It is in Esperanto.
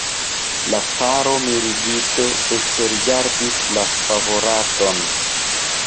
La caro mirigite ekrigardis la favoraton.